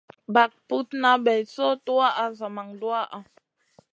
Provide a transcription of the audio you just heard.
Bag putna bay soy tuwaʼa zaman duwaʼha.